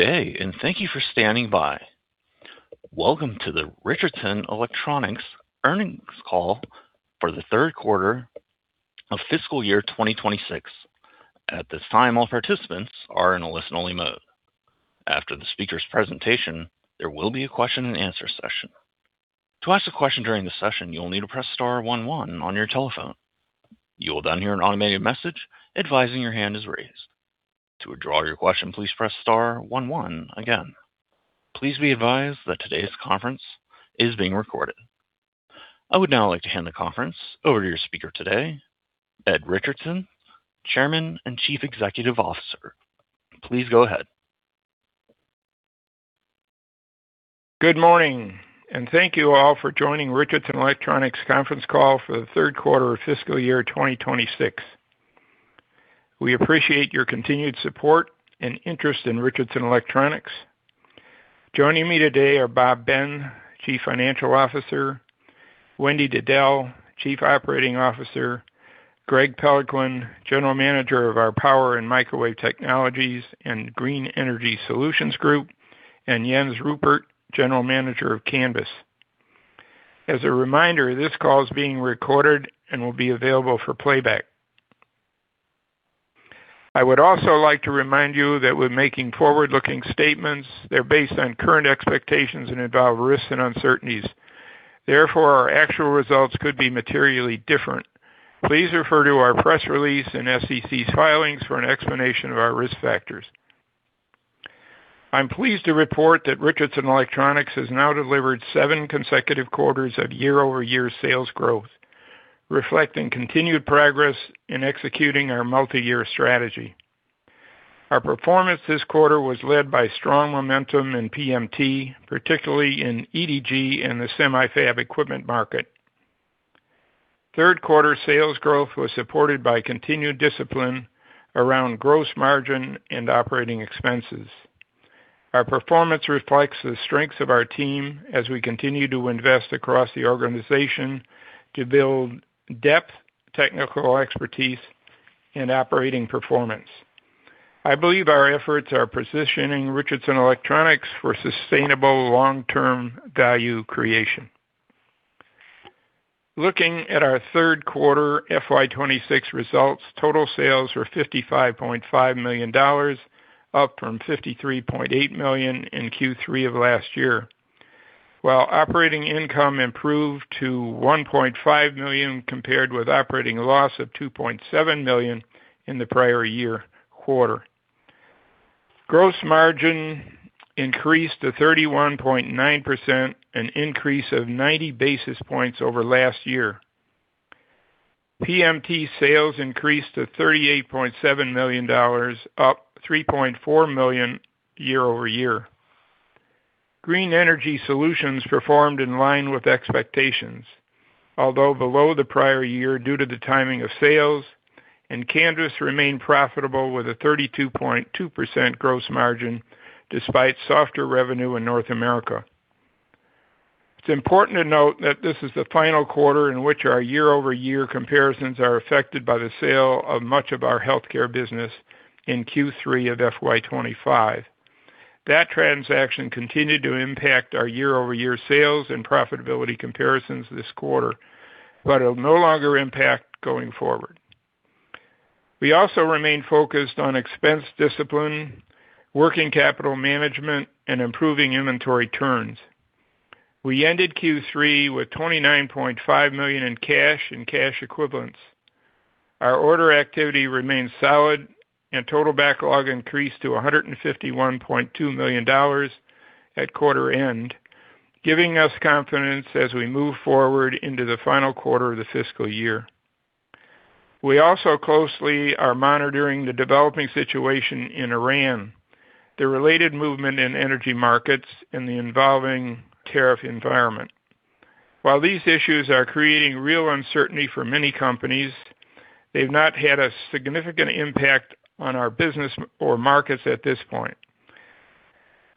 Good day, and thank you for standing by. Welcome to the Richardson Electronics earnings call for the third quarter of fiscal year 2026. At this time, all participants are in a listen-only mode. After the speaker's presentation, there will be a question and answer session. To ask a question during the session, you will need to press star one one on your telephone. You will then hear an automated message advising your hand is raised. To withdraw your question, please press star one one again. Please be advised that today's conference is being recorded. I would now like to hand the conference over to your speaker today, Ed Richardson, Chairman and Chief Executive Officer. Please go ahead. Good morning, and thank you all for joining Richardson Electronics' conference call for the third quarter of fiscal year 2026. We appreciate your continued support and interest in Richardson Electronics. Joining me today are Bob Ben, Chief Financial Officer, Wendy Diddell, Chief Operating Officer, Greg Peloquin, General Manager of our Power & Microwave Technologies and Green Energy Solutions Group, and Jens Ruppert, General Manager of Canvys. As a reminder, this call is being recorded and will be available for playback. I would also like to remind you that we're making forward-looking statements. They're based on current expectations and involve risks and uncertainties. Therefore, our actual results could be materially different. Please refer to our press release and SEC filings for an explanation of our risk factors. I'm pleased to report that Richardson Electronics has now delivered seven consecutive quarters of year-over-year sales growth, reflecting continued progress in executing our multi-year strategy. Our performance this quarter was led by strong momentum in PMT, particularly in EDG and the semi-fab equipment market. Third quarter sales growth was supported by continued discipline around gross margin and operating expenses. Our performance reflects the strengths of our team as we continue to invest across the organization to build depth, technical expertise, and operating performance. I believe our efforts are positioning Richardson Electronics for sustainable long-term value creation. Looking at our third quarter FY 2026 results, total sales were $55.5 million, up from $53.8 million in Q3 of last year. While operating income improved to $1.5 million compared with operating loss of $2.7 million in the prior year quarter. Gross margin increased to 31.9%, an increase of 90 basis points over last year. PMT sales increased to $38.7 million, up $3.4 million year-over-year. Green Energy Solutions performed in line with expectations, although below the prior year due to the timing of sales, and Canvys remained profitable with a 32.2% gross margin despite softer revenue in North America. It's important to note that this is the final quarter in which our year-over-year comparisons are affected by the sale of much of our healthcare business in Q3 of FY 2025. That transaction continued to impact our year-over-year sales and profitability comparisons this quarter, but it'll no longer impact going forward. We also remain focused on expense discipline, working capital management, and improving inventory turns. We ended Q3 with $29.5 million in cash and cash equivalents. Our order activity remains solid, and total backlog increased to $151.2 million at quarter end, giving us confidence as we move forward into the final quarter of the fiscal year. We also closely are monitoring the developing situation in Iran, the related movement in energy markets, and the evolving tariff environment. While these issues are creating real uncertainty for many companies, they've not had a significant impact on our business or markets at this point.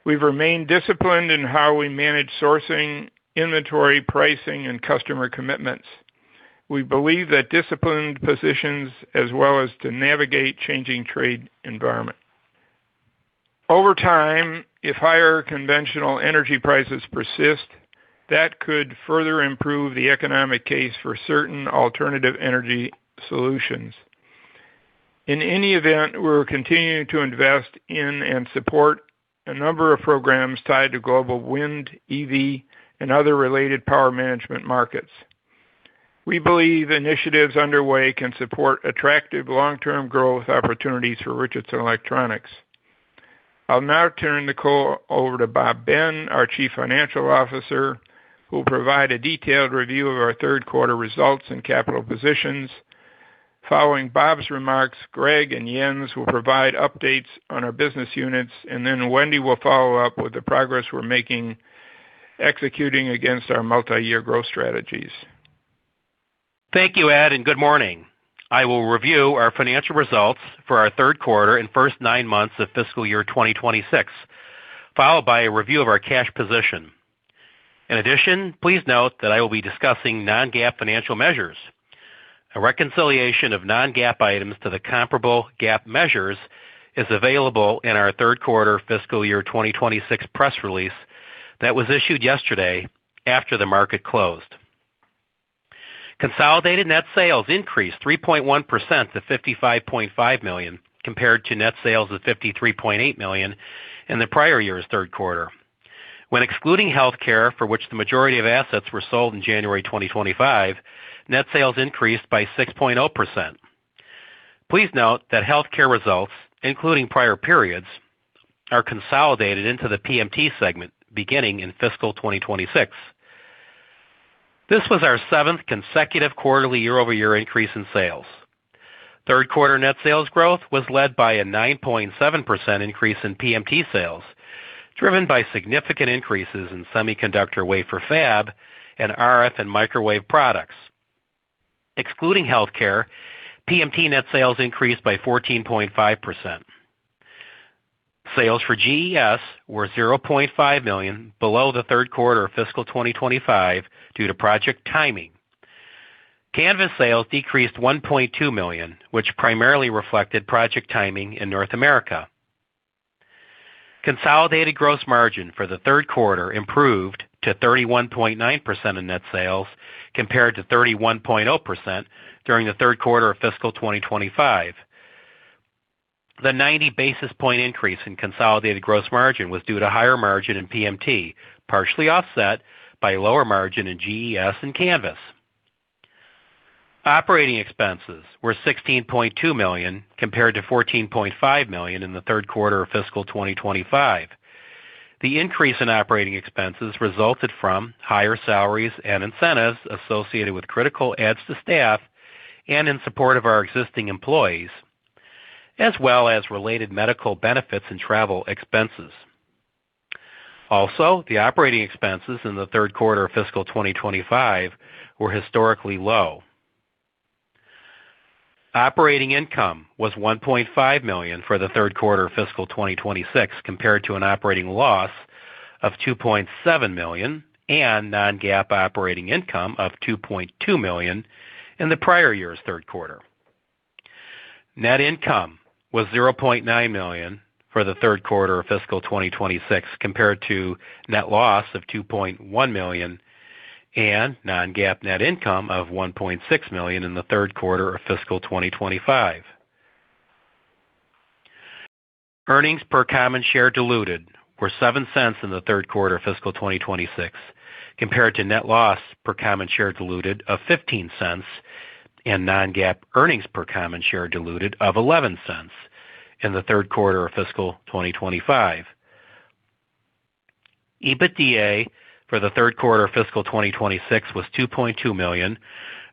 We've remained disciplined in how we manage sourcing, inventory, pricing, and customer commitments. We believe that discipline positions us well to navigate changing trade environment. Over time, if higher conventional energy prices persist, that could further improve the economic case for certain alternative energy solutions. In any event, we're continuing to invest in and support a number of programs tied to global wind, EV, and other related power management markets. We believe initiatives underway can support attractive long-term growth opportunities for Richardson Electronics. I'll now turn the call over to Bob Ben, our Chief Financial Officer, who will provide a detailed review of our third quarter results and capital positions. Following Bob's remarks, Greg and Jens will provide updates on our business units, and then Wendy will follow up with the progress we're making executing against our multi-year growth strategies. Thank you, Ed, and good morning. I will review our financial results for our third quarter and first nine months of fiscal year 2026, followed by a review of our cash position. In addition, please note that I will be discussing non-GAAP financial measures. A reconciliation of non-GAAP items to the comparable GAAP measures is available in our third quarter fiscal year 2026 press release that was issued yesterday after the market closed. Consolidated net sales increased 3.1% to $55.5 million, compared to net sales of $53.8 million in the prior year's third quarter. When excluding healthcare, for which the majority of assets were sold in January 2025, net sales increased by 6.0%. Please note that healthcare results, including prior periods, are consolidated into the PMT segment beginning in fiscal 2026. This was our seventh consecutive quarterly year-over-year increase in sales. Third quarter net sales growth was led by a 9.7% increase in PMT sales, driven by significant increases in semiconductor wafer fab and RF and microwave products. Excluding healthcare, PMT net sales increased by 14.5%. Sales for GES were $0.5 million below the third quarter of fiscal 2025 due to project timing. Canvys sales decreased $1.2 million, which primarily reflected project timing in North America. Consolidated gross margin for the third quarter improved to 31.9% of net sales, compared to 31.0% during the third quarter of fiscal 2025. The 90 basis point increase in consolidated gross margin was due to higher margin in PMT, partially offset by lower margin in GES and Canvys. Operating expenses were $16.2 million, compared to $14.5 million in the third quarter of fiscal 2025. The increase in operating expenses resulted from higher salaries and incentives associated with critical adds to staff and in support of our existing employees, as well as related medical benefits and travel expenses. Also, the operating expenses in the third quarter of fiscal 2025 were historically low. Operating income was $1.5 million for the third quarter of fiscal 2026, compared to an operating loss of $2.7 million and non-GAAP operating income of $2.2 million in the prior year's third quarter. Net income was $0.9 million for the third quarter of fiscal 2026, compared to net loss of $2.1 million and non-GAAP net income of $1.6 million in the third quarter of fiscal 2025. Earnings per common share were $0.07 in the third quarter of fiscal 2026, compared to net loss per common share diluted of $0.15 and non-GAAP earnings per common share diluted of $0.11 in the third quarter of fiscal 2025. EBITDA for the third quarter of fiscal 2026 was $2.2 million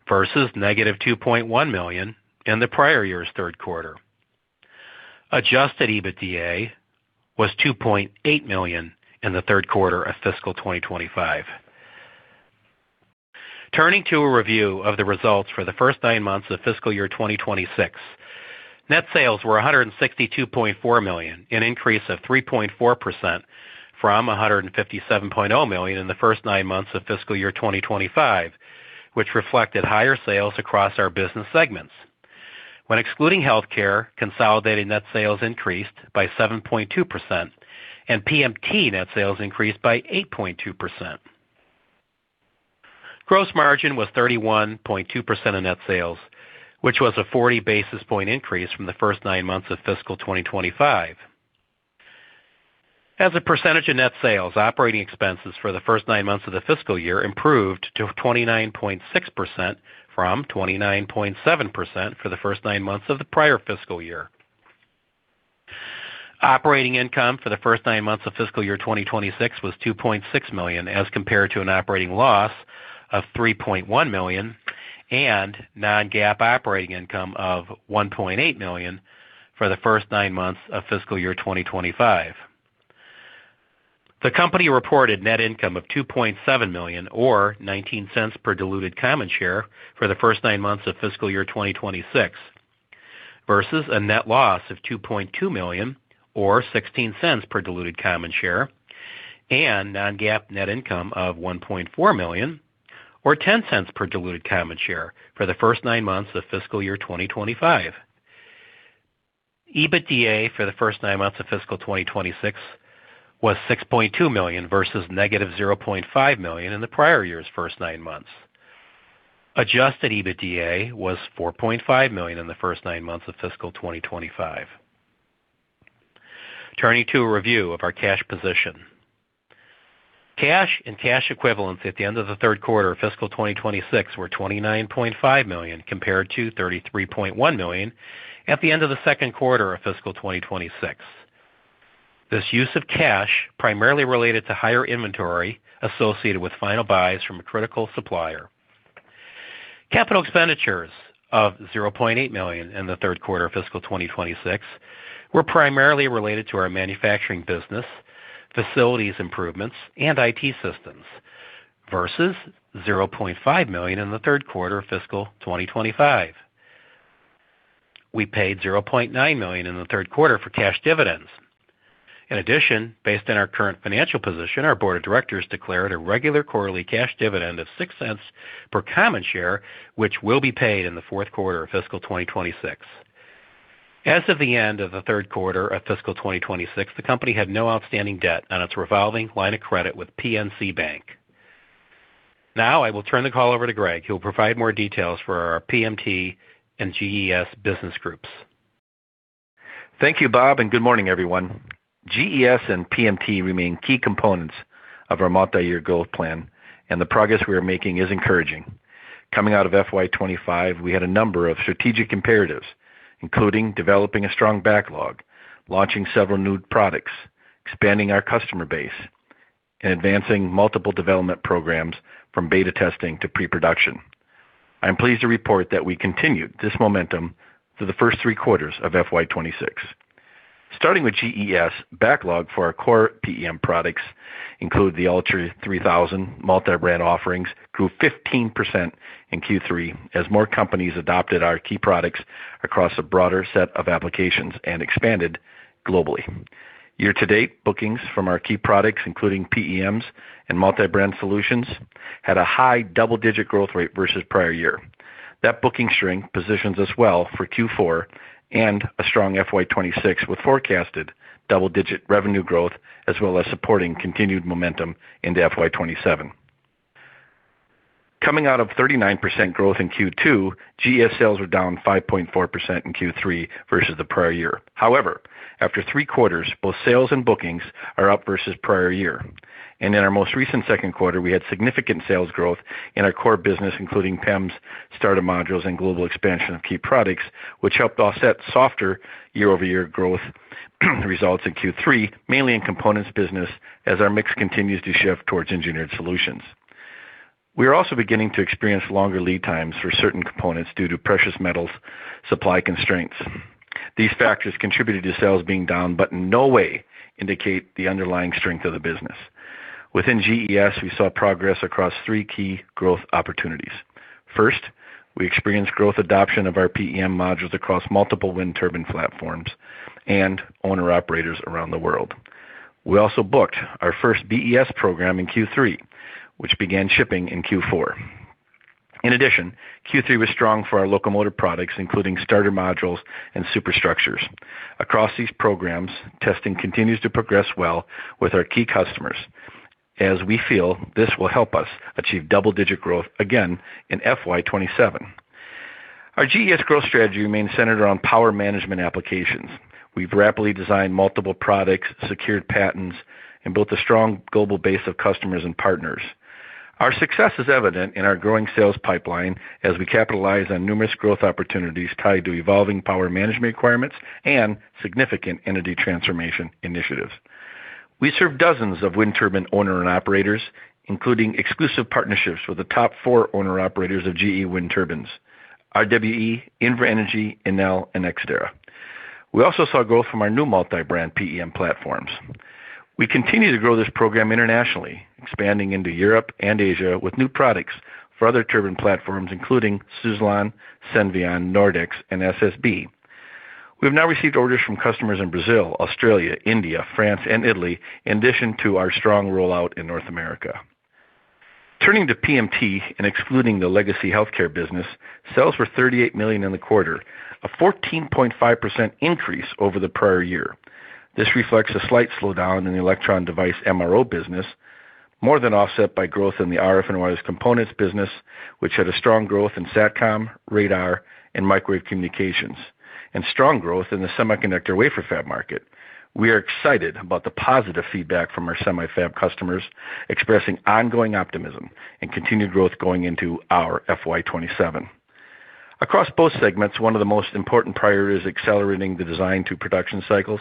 versus negative $2.1 million in the prior year's third quarter. Adjusted EBITDA was $2.8 million in the third quarter of fiscal 2025. Turning to a review of the results for the first nine months of fiscal year 2026. Net sales were $162.4 million, an increase of 3.4% from $157.0 million in the first nine months of fiscal year 2025, which reflected higher sales across our business segments. When excluding healthcare, consolidated net sales increased by 7.2%, and PMT net sales increased by 8.2%. Gross margin was 31.2% of net sales, which was a 40 basis point increase from the first nine months of fiscal 2025. As a percentage of net sales, operating expenses for the first nine months of the fiscal year improved to 29.6%, from 29.7% for the first nine months of the prior fiscal year. Operating income for the first nine months of fiscal year 2026 was $2.6 million, as compared to an operating loss of $3.1 million and non-GAAP operating income of $1.8 million for the first nine months of fiscal year 2025. The company reported net income of $2.7 million or $0.19 per diluted common share for the first nine months of fiscal year 2026 versus a net loss of $2.2 million or $0.16 per diluted common share and non-GAAP net income of $1.4 million or $0.10 per diluted common share for the first nine months of fiscal year 2025. EBITDA for the first nine months of fiscal 2026 was $6.2 million versus -$0.5 million in the prior year's first nine months. Adjusted EBITDA was $4.5 million in the first nine months of fiscal 2025. Turning to a review of our cash position. Cash and cash equivalents at the end of the third quarter of fiscal 2026 were $29.5 million compared to $33.1 million at the end of the second quarter of fiscal 2026. This use of cash primarily related to higher inventory associated with final buys from a critical supplier. Capital expenditures of $0.8 million in the third quarter of fiscal 2026 were primarily related to our manufacturing business, facilities improvements, and IT systems versus $0.5 million in the third quarter of fiscal 2025. We paid $0.9 million in the third quarter for cash dividends. In addition, based on our current financial position, our board of directors declared a regular quarterly cash dividend of $0.06 per common share, which will be paid in the fourth quarter of fiscal 2026. As of the end of the third quarter of fiscal 2026, the company had no outstanding debt on its revolving line of credit with PNC Bank. Now I will turn the call over to Greg. He will provide more details for our PMT and GES business groups. Thank you, Bob, and good morning, everyone. GES and PMT remain key components of our multi-year goal plan, and the progress we are making is encouraging. Coming out of FY 2025, we had a number of strategic imperatives, including developing a strong backlog, launching several new products, expanding our customer base, and advancing multiple development programs from beta testing to pre-production. I am pleased to report that we continued this momentum through the first three quarters of FY 2026. Starting with GES, backlog for our core PEM products including the ULTRA3000 multi-brand offerings grew 15% in Q3 as more companies adopted our key products across a broader set of applications and expanded globally. Year-to-date, bookings from our key products, including PEMs and multi-brand solutions, had a high double-digit growth rate versus the prior year. That booking strength positions us well for Q4 and a strong FY 2026 with forecasted double-digit revenue growth as well as supporting continued momentum into FY 2027. Coming out of 39% growth in Q2, GES sales were down 5.4% in Q3 versus the prior year. However, after three quarters, both sales and bookings are up versus the prior year. In our most recent second quarter, we had significant sales growth in our core business, including PEMs, starter modules, and global expansion of key products, which helped offset softer year-over-year growth results in Q3, mainly in components business as our mix continues to shift towards engineered solutions. We are also beginning to experience longer lead times for certain components due to precious metals supply constraints. These factors contributed to sales being down, but in no way indicate the underlying strength of the business. Within GES, we saw progress across three key growth opportunities. First, we experienced growth adoption of our PEM modules across multiple wind turbine platforms and owner-operators around the world. We also booked our first BESS program in Q3, which began shipping in Q4. In addition, Q3 was strong for our locomotive products, including starter modules and superstructures. Across these programs, testing continues to progress well with our key customers as we feel this will help us achieve double-digit growth again in FY 2027. Our GES growth strategy remains centered on power management applications. We've rapidly designed multiple products, secured patents, and built a strong global base of customers and partners. Our success is evident in our growing sales pipeline as we capitalize on numerous growth opportunities tied to evolving power management requirements and significant entity transformation initiatives. We serve dozens of wind turbine owners and operators, including exclusive partnerships with the top four owners and operators of GE wind turbines, RWE, Invenergy, Enel and NextEra. We also saw growth from our new multi-brand PEM platforms. We continue to grow this program internationally, expanding into Europe and Asia with new products for other turbine platforms including Suzlon, Senvion, Nordex, and SSB. We have now received orders from customers in Brazil, Australia, India, France, and Italy in addition to our strong rollout in North America. Turning to PMT and excluding the legacy healthcare business, sales were $38 million in the quarter, a 14.5% increase over the prior year. This reflects a slight slowdown in the electron device MRO business, more than offset by growth in the RF and wireless components business, which had a strong growth in SatCom, radar, and microwave communications, and strong growth in the semiconductor wafer fab market. We are excited about the positive feedback from our semi-fab customers, expressing ongoing optimism and continued growth going into our FY 2027. Across both segments, one of the most important priorities is accelerating the design to production cycles.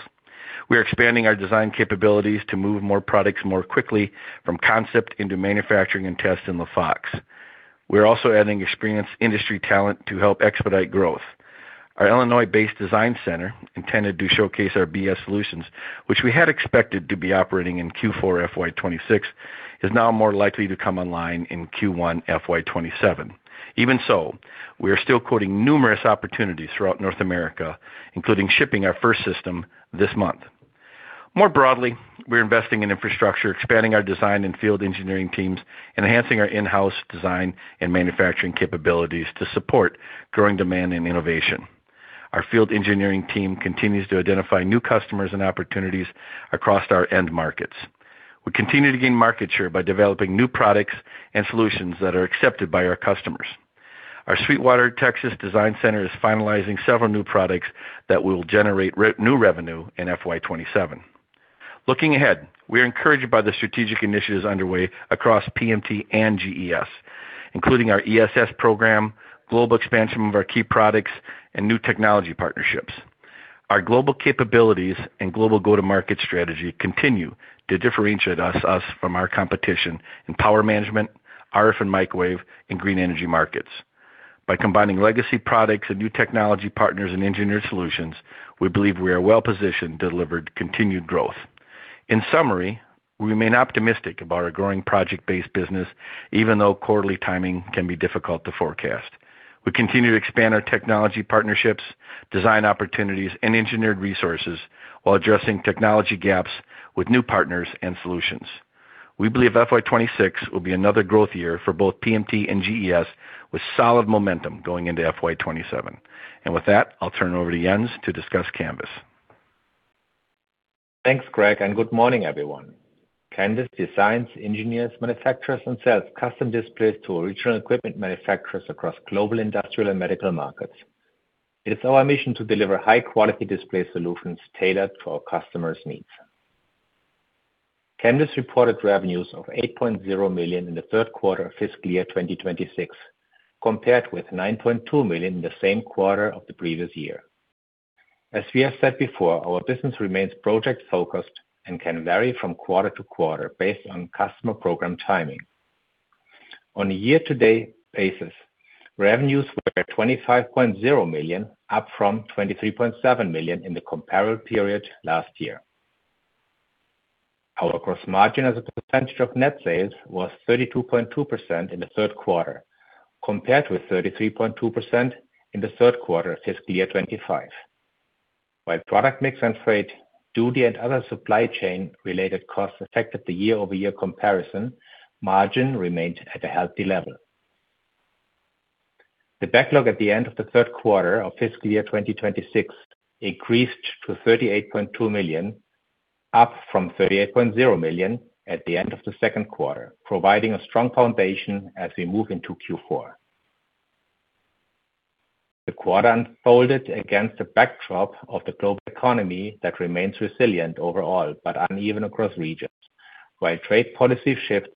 We are expanding our design capabilities to move more products more quickly from concept into manufacturing and test in LaFox. We are also adding experienced industry talent to help expedite growth. Our Illinois-based design center, intended to showcase our BESS solutions, which we had expected to be operating in Q4 FY 2026, is now more likely to come online in Q1 FY 2027. Even so, we are still quoting numerous opportunities throughout North America, including shipping our first system this month. More broadly, we are investing in infrastructure, expanding our design and field engineering teams, and enhancing our in-house design and manufacturing capabilities to support growing demand and innovation. Our field engineering team continues to identify new customers and opportunities across our end markets. We continue to gain market share by developing new products and solutions that are accepted by our customers. Our Sweetwater, Texas design center is finalizing several new products that will generate new revenue in FY 2027. Looking ahead, we are encouraged by the strategic initiatives underway across PMT and GES, including our ESS program, global expansion of our key products, and new technology partnerships. Our global capabilities and global go-to-market strategy continue to differentiate us from our competition in power management, RF and microwave, and green energy markets. By combining legacy products and new technology partners in engineered solutions, we believe we are well-positioned to deliver continued growth. In summary, we remain optimistic about our growing project-based business, even though quarterly timing can be difficult to forecast. We continue to expand our technology partnerships, design opportunities, and engineered resources while addressing technology gaps with new partners and solutions. We believe FY 2026 will be another growth year for both PMT and GES, with solid momentum going into FY 2027. With that, I'll turn it over to Jens to discuss Canvys. Thanks, Greg, and good morning, everyone. Canvys designs, engineers, manufactures, and sells custom displays to original equipment manufacturers across global, industrial, and medical markets. It is our mission to deliver high-quality display solutions tailored to our customers' needs. Canvys reported revenues of $8.0 million in the third quarter of fiscal year 2026, compared with $9.2 million in the same quarter of the previous year. As we have said before, our business remains project-focused and can vary from quarter to quarter based on customer program timing. On a year-to-date basis, revenues were $25.0 million, up from $23.7 million in the comparable period last year. Our gross margin as a percentage of net sales was 32.2% in the third quarter, compared to 33.2% in the third quarter of fiscal year 2025. While product mix and freight, duty, and other supply chain related costs affected the year-over-year comparison, margin remained at a healthy level. The backlog at the end of the third quarter of fiscal year 2026 increased to $38.2 million, up from $38.0 million at the end of the second quarter, providing a strong foundation as we move into Q4. The quarter unfolded against the backdrop of the global economy that remains resilient overall, but uneven across regions. While trade policy shifts,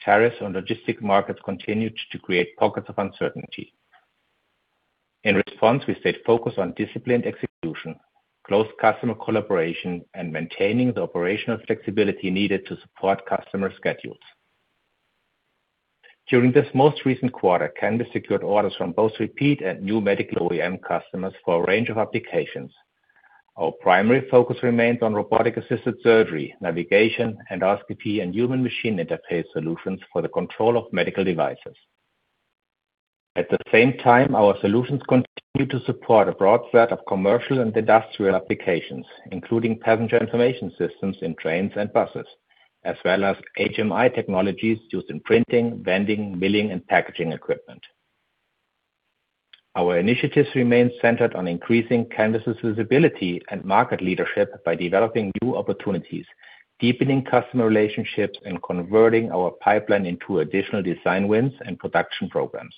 tariffs and logistics markets continued to create pockets of uncertainty. In response, we stayed focused on disciplined execution, close customer collaboration, and maintaining the operational flexibility needed to support customer schedules. During this most recent quarter, Canvys secured orders from both repeat and new medical OEM customers for a range of applications. Our primary focus remains on robotic-assisted surgery, navigation, endoscopy, and human machine interface solutions for the control of medical devices. At the same time, our solutions continue to support a broad set of commercial and industrial applications, including passenger information systems in trains and buses, as well as HMI technologies used in printing, vending, milling, and packaging equipment. Our initiatives remain centered on increasing Canvys' visibility and market leadership by developing new opportunities, deepening customer relationships, and converting our pipeline into additional design wins and production programs.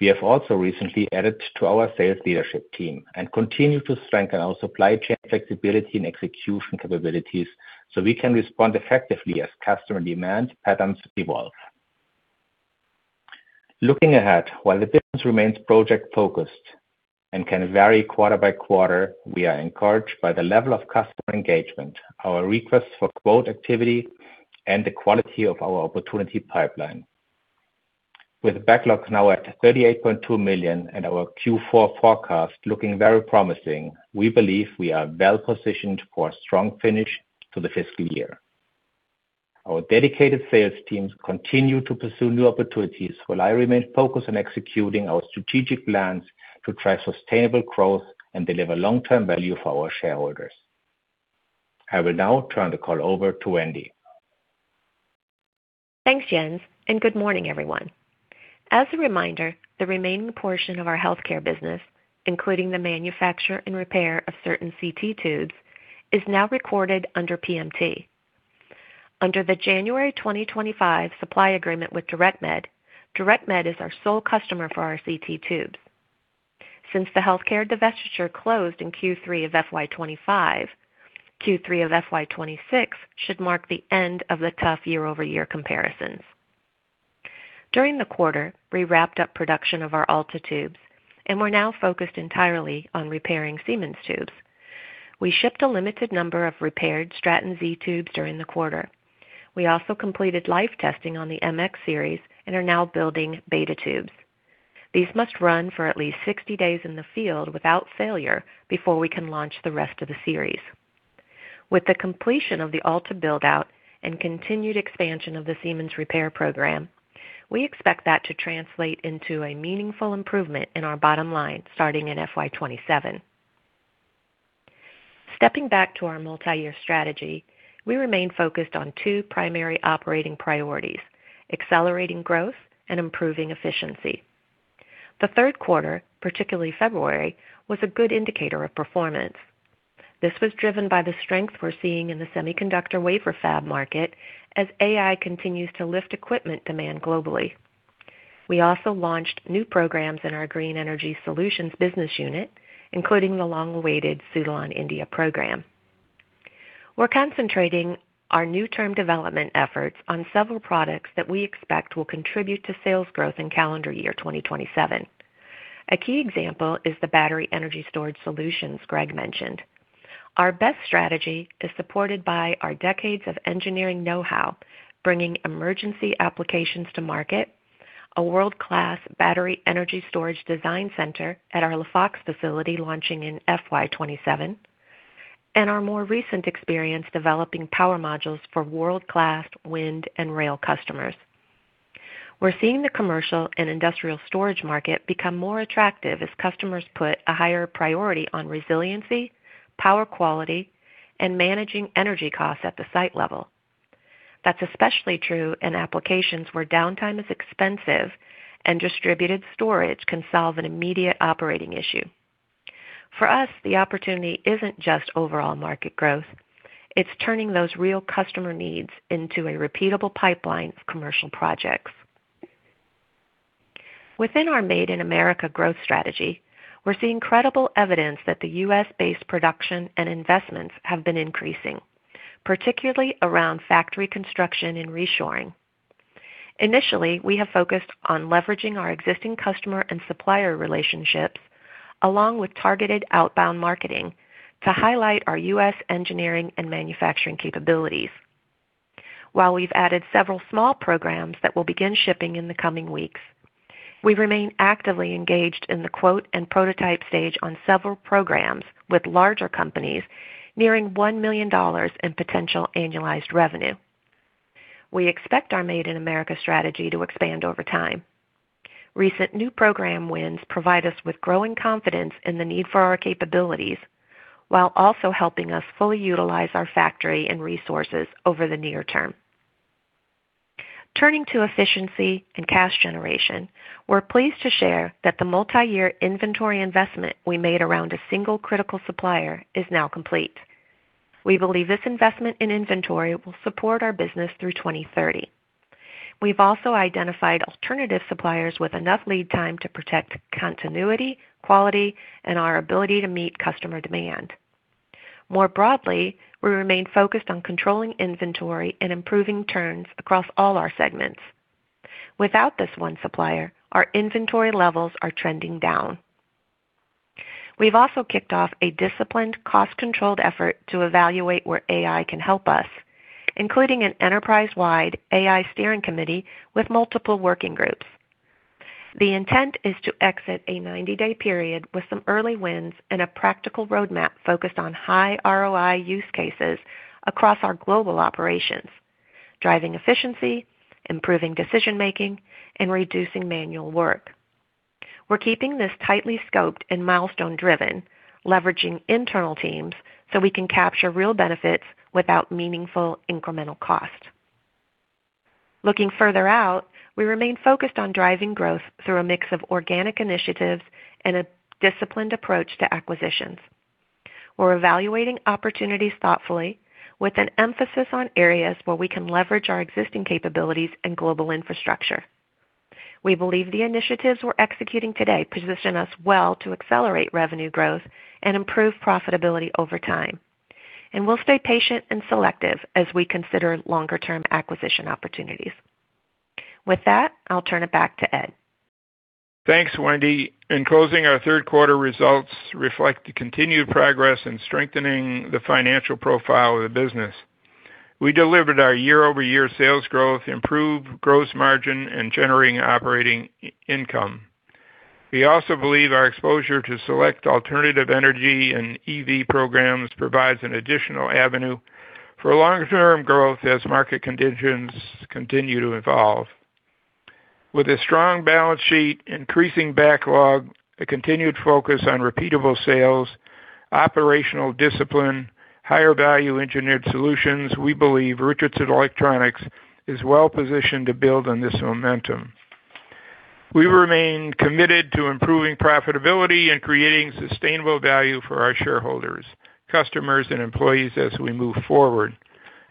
We have also recently added to our sales leadership team and continue to strengthen our supply chain flexibility and execution capabilities so we can respond effectively as customer demand patterns evolve. Looking ahead, while the business remains project-focused and can vary quarter by quarter, we are encouraged by the level of customer engagement, our request for quote activity, and the quality of our opportunity pipeline. With backlog now at $38.2 million and our Q4 forecast looking very promising, we believe we are well positioned for a strong finish to the fiscal year. Our dedicated sales teams continue to pursue new opportunities, while I remain focused on executing our strategic plans to drive sustainable growth and deliver long-term value for our shareholders. I will now turn the call over to Wendy. Thanks, Jens, and good morning, everyone. As a reminder, the remaining portion of our healthcare business, including the manufacture and repair of certain CT tubes, is now recorded under PMT. Under the January 2025 supply agreement with DirectMed. DirectMed is our sole customer for our CT tubes. Since the healthcare divestiture closed in Q3 of FY 2025, Q3 of FY 2026 should mark the end of the tough year-over-year comparisons. During the quarter, we wrapped up production of our ALTA tubes and we're now focused entirely on repairing Siemens tubes. We shipped a limited number of repaired Straton Z tubes during the quarter. We also completed life testing on the MX series and are now building beta tubes. These must run for at least 60 days in the field without failure before we can launch the rest of the series. With the completion of the ALTA build-out and continued expansion of the Siemens repair program, we expect that to translate into a meaningful improvement in our bottom line starting in FY 2027. Stepping back to our multi-year strategy, we remain focused on two primary operating priorities, accelerating growth and improving efficiency. The third quarter, particularly February, was a good indicator of performance. This was driven by the strength we're seeing in the semiconductor wafer fab market as AI continues to lift equipment demand globally. We also launched new programs in our Green Energy Solutions business unit, including the long-awaited Suzlon India program. We're concentrating our R&D efforts on several products that we expect will contribute to sales growth in calendar year 2027. A key example is the battery energy storage solutions Greg mentioned. Our best strategy is supported by our decades of engineering know-how, bringing emergency applications to market. A world-class battery energy storage design center at our LaFox facility launching in FY 2027, and our more recent experience developing power modules for world-class wind and rail customers. We're seeing the commercial and industrial storage market become more attractive as customers put a higher priority on resiliency, power quality, and managing energy costs at the site level. That's especially true in applications where downtime is expensive and distributed storage can solve an immediate operating issue. For us, the opportunity isn't just overall market growth. It's turning those real customer needs into a repeatable pipeline of commercial projects. Within our Made in America growth strategy, we're seeing credible evidence that the U.S.-based production and investments have been increasing, particularly around factory construction and reshoring. Initially, we have focused on leveraging our existing customer and supplier relationships, along with targeted outbound marketing, to highlight our U.S. engineering and manufacturing capabilities. While we've added several small programs that will begin shipping in the coming weeks, we remain actively engaged in the quote and prototype stage on several programs with larger companies nearing $1 million in potential annualized revenue. We expect our Made in America strategy to expand over time. Recent new program wins provide us with growing confidence in the need for our capabilities, while also helping us fully utilize our factory and resources over the near term. Turning to efficiency and cash generation, we're pleased to share that the multi-year inventory investment we made around a single critical supplier is now complete. We believe this investment in inventory will support our business through 2030. We've also identified alternative suppliers with enough lead time to protect continuity, quality, and our ability to meet customer demand. More broadly, we remain focused on controlling inventory and improving turns across all our segments. Without this one supplier, our inventory levels are trending down. We've also kicked off a disciplined, cost-controlled effort to evaluate where AI can help us, including an enterprise-wide AI steering committee with multiple working groups. The intent is to exit a 90-day period with some early wins and a practical roadmap focused on high ROI use cases across our global operations, driving efficiency, improving decision-making, and reducing manual work. We're keeping this tightly scoped and milestone-driven, leveraging internal teams so we can capture real benefits without meaningful incremental cost. Looking further out, we remain focused on driving growth through a mix of organic initiatives and a disciplined approach to acquisitions. We're evaluating opportunities thoughtfully with an emphasis on areas where we can leverage our existing capabilities and global infrastructure. We believe the initiatives we're executing today position us well to accelerate revenue growth and improve profitability over time. We'll stay patient and selective as we consider longer-term acquisition opportunities. With that, I'll turn it back to Ed. Thanks, Wendy. In closing, our third quarter results reflect the continued progress in strengthening the financial profile of the business. We delivered our year-over-year sales growth, improved gross margin, and generating operating income. We also believe our exposure to select alternative energy and EV programs provides an additional avenue for long-term growth as market conditions continue to evolve. With a strong balance sheet, increasing backlog, a continued focus on repeatable sales, operational discipline, higher value engineered solutions, we believe Richardson Electronics is well-positioned to build on this momentum. We remain committed to improving profitability and creating sustainable value for our shareholders, customers, and employees as we move forward.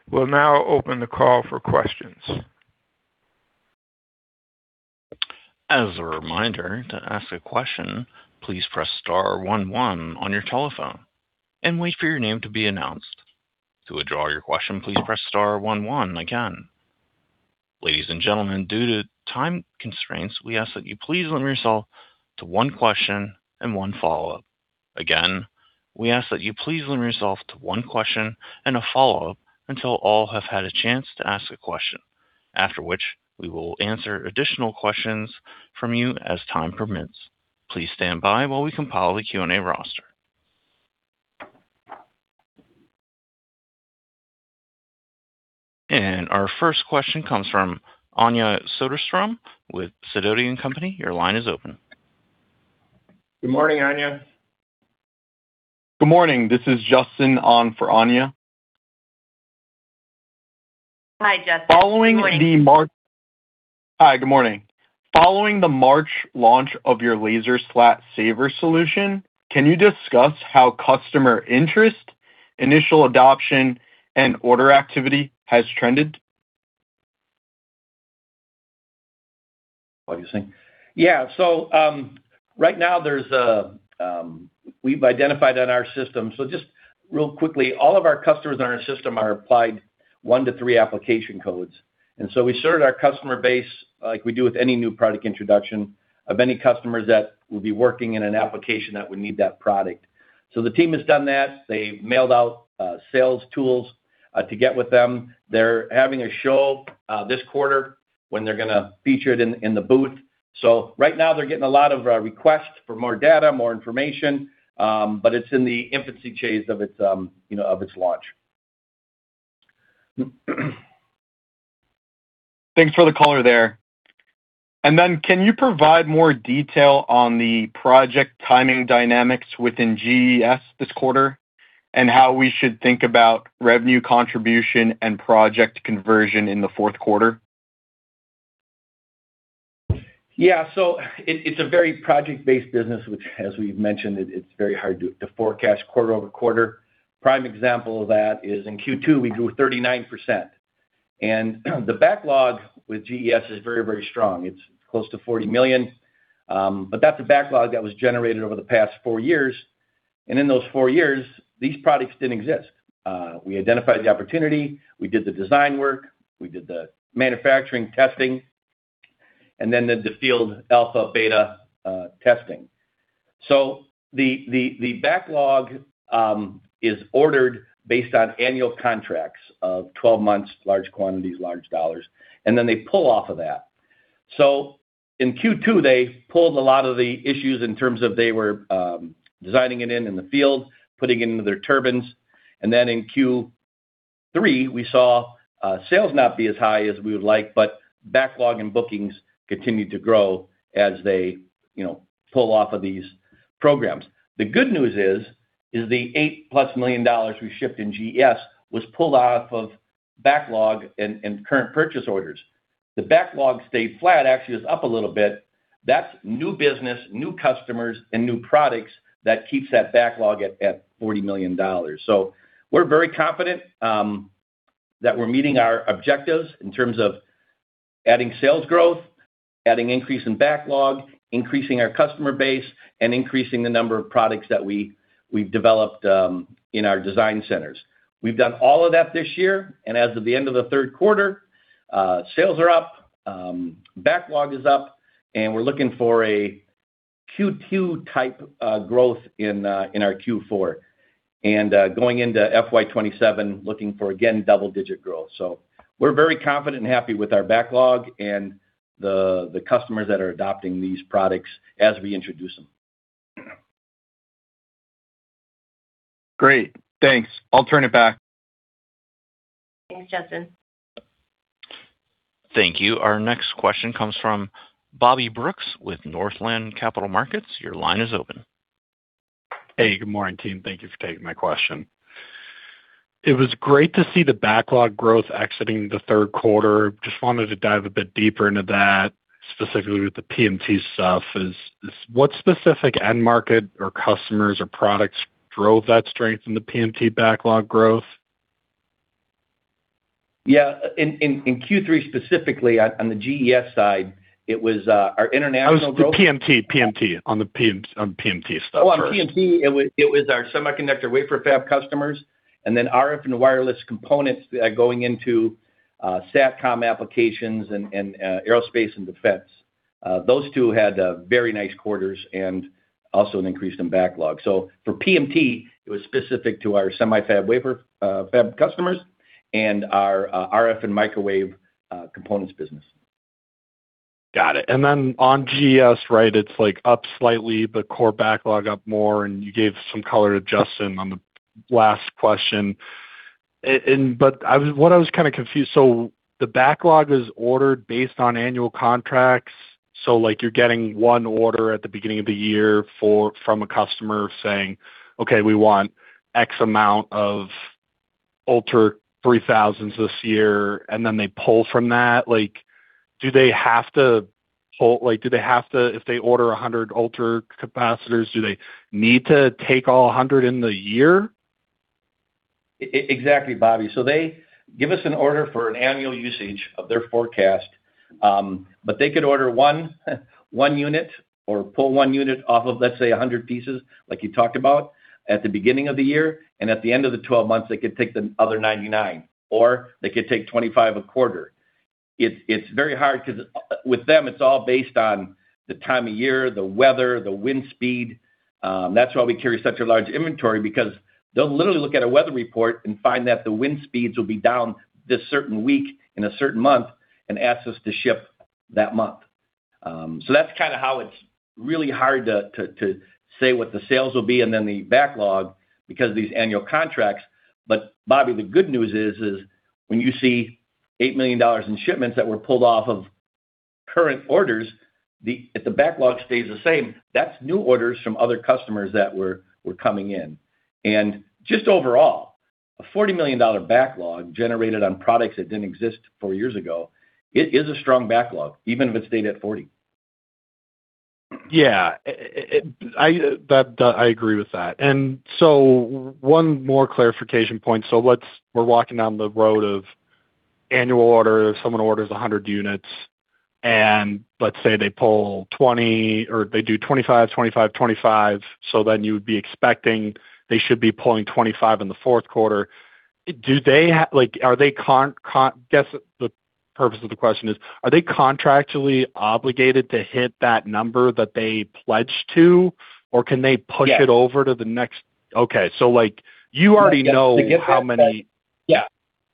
We'll now open the call for questions. As a reminder, to ask a question, please press star one one on your telephone and wait for your name to be announced. To withdraw your question, please press star one one again. Ladies and gentlemen, due to time constraints, we ask that you please limit yourself to one question and one follow-up. Again, we ask that you please limit yourself to one question and a follow-up until all have had a chance to ask a question. After which, we will answer additional questions from you as time permits. Please stand by while we compile the Q&A roster. Our first question comes from Anja Soderstrom with Sidoti & Company. Your line is open. Good morning, Anja. Good morning. This is Justin on for Anja. Hi, Justin. Good morning. Hi. Good morning. Following the March launch of your LaserSlat SAVER solution, can you discuss how customer interest, initial adoption, and order activity has trended? What do you think? Yeah. Right now, we've identified on our system. Just real quickly, all of our customers on our system are applied one to three application codes. We started our customer base, like we do with any new product introduction, of any customers that will be working in an application that would need that product. The team has done that. They've mailed out sales tools to get with them. They're having a show this quarter when they're going to feature it in the booth. Right now, they're getting a lot of requests for more data, more information, but it's in the infancy phase of its launch. Thanks for the color there. Can you provide more detail on the project timing dynamics within GES this quarter and how we should think about revenue contribution and project conversion in the fourth quarter? It's a very project-based business, which, as we've mentioned, it's very hard to forecast quarter over quarter. Prime example of that is in Q2, we grew 39%. The backlog with GES is very strong. It's close to $40 million. That's a backlog that was generated over the past four years. In those four years, these products didn't exist. We identified the opportunity, we did the design work, we did the manufacturing testing, and then did the field alpha-beta testing. The backlog is ordered based on annual contracts of 12 months, large quantities, large dollars, and then they pull off of that. In Q2, they pulled a lot of the issues in terms of they were designing it in the field, putting it into their turbines. In Q3, we saw sales not be as high as we would like, but backlog and bookings continued to grow as they pull off of these programs. The good news is the $8+ million we shipped in GES was pulled off of backlog and current purchase orders. The backlog stayed flat, actually it's up a little bit. That's new business, new customers, and new products that keeps that backlog at $40 million. We're very confident that we're meeting our objectives in terms of adding sales growth, adding increase in backlog, increasing our customer base, and increasing the number of products that we've developed in our design centers. We've done all of that this year, and as of the end of the third quarter, sales are up, backlog is up, and we're looking for a Q2 type growth in our Q4. Going into FY 2027, looking for, again, double-digit growth. We're very confident and happy with our backlog and the customers that are adopting these products as we introduce them. Great. Thanks. I'll turn it back. Thanks, Justin. Thank you. Our next question comes from Bobby Brooks with Northland Capital Markets. Your line is open. Hey, good morning, team. Thank you for taking my question. It was great to see the backlog growth exiting the third quarter. Just wanted to dive a bit deeper into that, specifically with the PMT stuff, what specific end market or customers or products drove that strength in the PMT backlog growth? Yeah. In Q3, specifically on the GES side, it was our international growth. It was the PMT. On PMT stuff. Sorry. On PMT, it was our semiconductor wafer fab customers, and then RF and wireless components going into SATCOM applications and aerospace and defense. Those two had very nice quarters and also an increase in backlog. For PMT, it was specific to our semi-fab wafer fab customers and our RF and microwave components business. Got it. On GES, it's up slightly, but core backlog up more, and you gave some color to Justin on the last question. What I was kind of confused, so the backlog is ordered based on annual contracts. You're getting one order at the beginning of the year from a customer saying, "Okay, we want X amount of ULTRA3000 this year," and then they pull from that. If they order 100 ultracapacitors, do they need to take all 100 in the year? Exactly, Bobby. They give us an order for an annual usage of their forecast, but they could order one unit or pull one unit off of, let's say, 100 pieces like you talked about at the beginning of the year, and at the end of the 12 months, they could take the other 99, or they could take 25 a quarter. It's very hard because with them, it's all based on the time of year, the weather, the wind speed. That's why we carry such a large inventory, because they'll literally look at a weather report and find that the wind speeds will be down this certain week in a certain month and ask us to ship that month. That's kind of how it's really hard to say what the sales will be and then the backlog because these annual contracts. Bobby, the good news is when you see $8 million in shipments that were pulled off of current orders, if the backlog stays the same, that's new orders from other customers that were coming in. Just overall, a $40 million backlog generated on products that didn't exist four years ago, it is a strong backlog, even if it stayed at 40. Yeah. I agree with that. One more clarification point. We're walking down the road of annual order. If someone orders 100 units and let's say they pull 20 or they do 25, 25, then you would be expecting they should be pulling 25 in the fourth quarter. Purpose of the question is, are they contractually obligated to hit that number that they pledged to? Or can they push it over to the next- Yes. You already know how many. Yeah.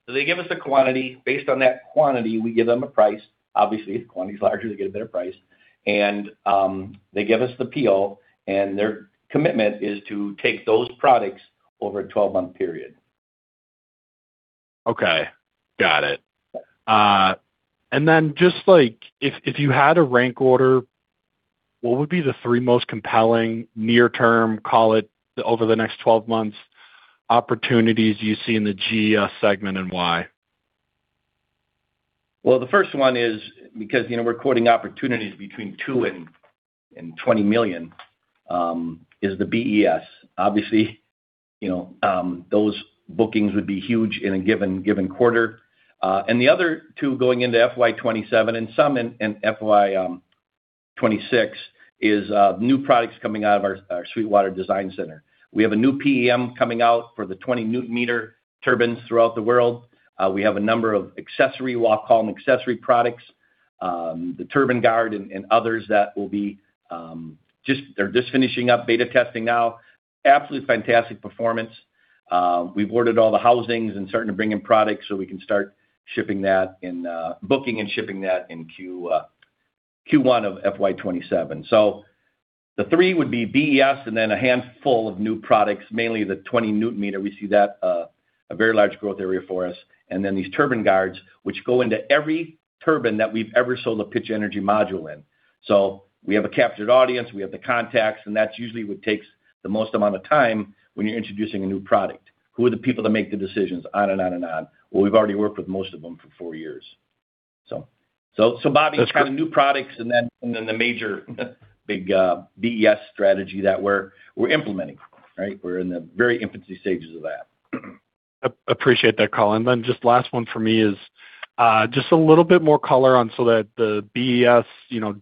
They give us a quantity. Based on that quantity, we give them a price. Obviously, if the quantity's larger, they get a better price. They give us the PO, and their commitment is to take those products over a 12-month period. Okay. Got it. If you had to rank order, what would be the three most compelling near-term, call it over the next 12 months, opportunities you see in the GES segment, and why? Well, the first one is because we're quoting opportunities between $2 million-$20 million, is the BESS. Obviously, those bookings would be huge in a given quarter. The other two going into FY 2027, and some in FY 2026, is new products coming out of our Sweetwater Design Center. We have a new PEM coming out for the 2.0 MW turbines throughout the world. We have a number of accessory, we'll call them accessory products, the Turbine-Guard and others that they're just finishing up beta testing now. Absolutely fantastic performance. We've ordered all the housings and starting to bring in products so we can start booking and shipping that in Q1 of FY 2027. The three would be BESS and then a handful of new products, mainly the 2.0 MW. We see that, a very large growth area for us. These Turbine-Guards, which go into every turbine that we've ever sold a Pitch Energy Module in. We have a captured audience, we have the contacts, and that's usually what takes the most amount of time when you're introducing a new product. Who are the people that make the decisions? On and on. Well, we've already worked with most of them for four years. Bobby- That's good. Kind of new products and then the major big BESS strategy that we're implementing. We're in the very infancy stages of that. Appreciate that, Colin. Just last one for me is just a little bit more color on so that the BESS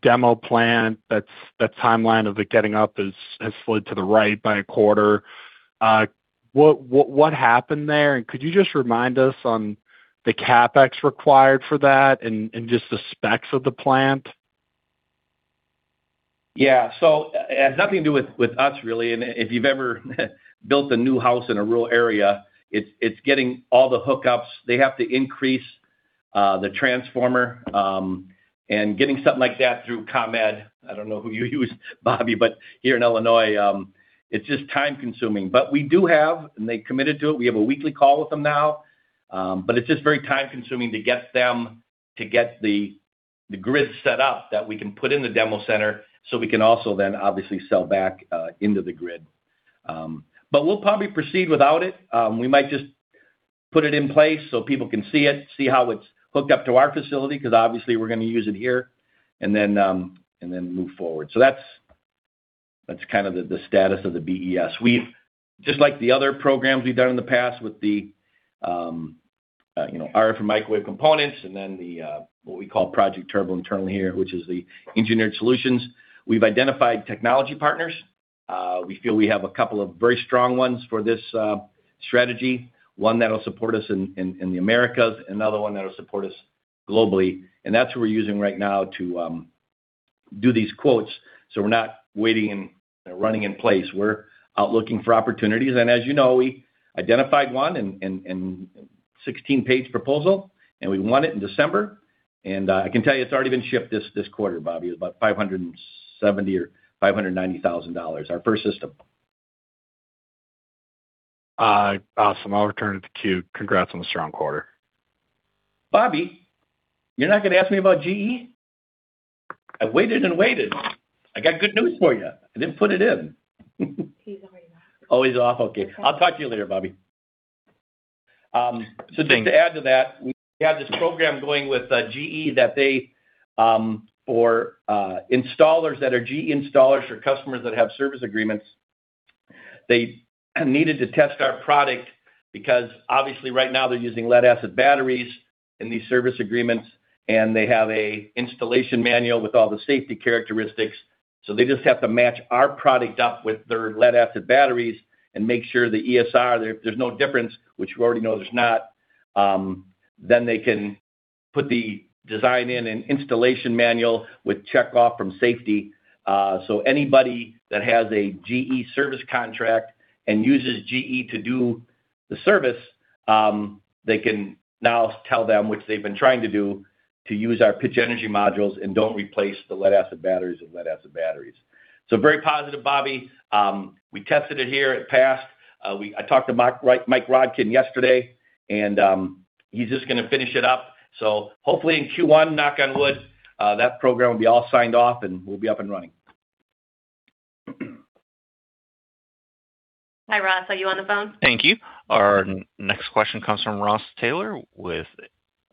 demo plant, that timeline of it getting up has slid to the right by a quarter. What happened there? And could you just remind us on the CapEx required for that and just the specs of the plant? Yeah. It has nothing to do with us, really. If you've ever built a new house in a rural area, it's getting all the hookups. They have to increase the transformer, and getting something like that through ComEd, I don't know who you use, Bobby, but here in Illinois, it's just time-consuming. We do have, and they committed to it, we have a weekly call with them now. It's just very time-consuming to get the grid set up that we can put in the demo center, so we can also then obviously sell back into the grid. We'll probably proceed without it. We might just put it in place so people can see it, see how it's hooked up to our facility, because obviously we're going to use it here, and then move forward. That's kind of the status of the BESS. Just like the other programs we've done in the past with the RF and microwave components and then what we call Project Turbo internally here, which is the engineered solutions. We've identified technology partners. We feel we have a couple of very strong ones for this strategy, one that'll support us in the Americas, another one that'll support us globally, and that's what we're using right now to do these quotes. We're not waiting and running in place. We're out looking for opportunities, and as you know, we identified one in 16-page proposal, and we won it in December. I can tell you it's already been shipped this quarter, Bobby. It's about $570,000 or $590,000, our first system. Awesome. I'll return it to queue. Congrats on the strong quarter. Bobby, you're not going to ask me about GE? I waited and waited. I got good news for you. I didn't put it in. He's already off? Okay. I'll talk to you later, Bobby. The thing to add to that, we have this program going with GE that for installers that are GE installers or customers that have service agreements, they needed to test our product because obviously right now they're using lead-acid batteries in these service agreements, and they have an installation manual with all the safety characteristics. They just have to match our product up with their lead-acid batteries and make sure the ESR, there's no difference, which we already know there's not. They can put the design in an installation manual with check off from safety. Anybody that has a GE service contract and uses GE to do the service, they can now tell them, which they've been trying to do, to use our Pitch Energy Modules and don't replace the lead-acid batteries with lead-acid batteries. Very positive, Bobby. We tested it here. It passed. I talked to Mike Rodkin yesterday, and he's just going to finish it up. Hopefully in Q1, knock on wood, that program will be all signed off, and we'll be up and running. Hi, Ross. Are you on the phone? Thank you. Our next question comes from Ross Taylor with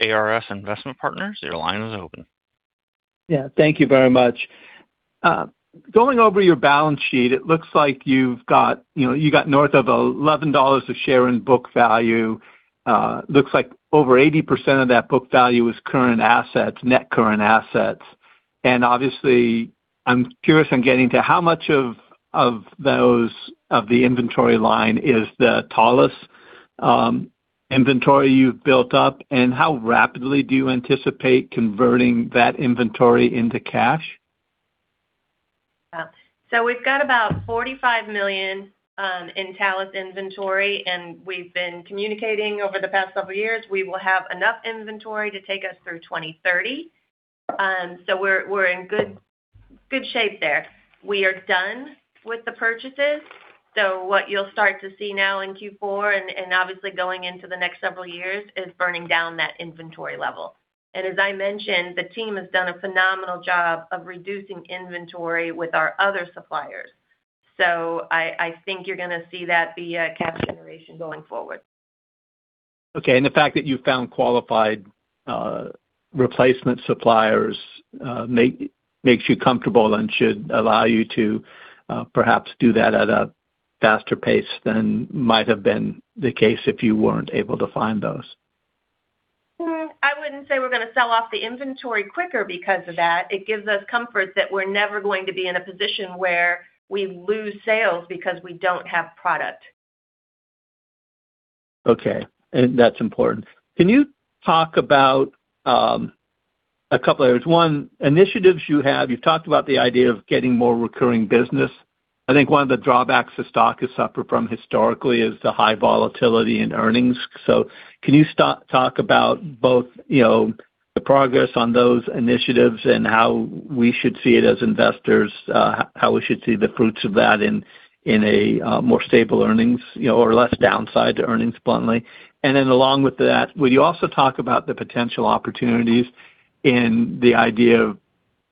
ARS Investment Partners. Your line is open. Yeah. Thank you very much. Going over your balance sheet, it looks like you got north of $11 a share in book value. Looks like over 80% of that book value is current assets, net current assets. Obviously, I'm curious on getting to how much of the inventory line is the Thales inventory you've built up, and how rapidly do you anticipate converting that inventory into cash? We've got about $45 million in Thales inventory, and we've been communicating over the past several years, we will have enough inventory to take us through 2030. We're in good shape there. We are done with the purchases, so what you'll start to see now in Q4, and obviously going into the next several years, is burning down that inventory level. As I mentioned, the team has done a phenomenal job of reducing inventory with our other suppliers. I think you're going to see that be a cash generation going forward. Okay. The fact that you found qualified replacement suppliers makes you comfortable and should allow you to perhaps do that at a faster pace than might have been the case if you weren't able to find those. I wouldn't say we're going to sell off the inventory quicker because of that. It gives us comfort that we're never going to be in a position where we lose sales because we don't have product. Okay. That's important. Can you talk about a couple areas? One, initiatives you have. You've talked about the idea of getting more recurring business. I think one of the drawbacks the stock has suffered from historically is the high volatility in earnings. Can you talk about both the progress on those initiatives and how we should see it as investors, how we should see the fruits of that in a more stable earnings or less downside to earnings, bluntly. Along with that, will you also talk about the potential opportunities in the idea of